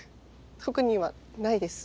特にはないです。